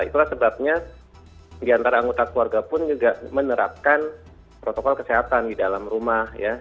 itulah sebabnya diantara anggota keluarga pun juga menerapkan protokol kesehatan di dalam rumah